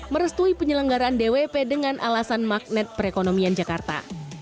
merestui penyelenggaraan dwp dengan alasan magnet perekonomian jakarta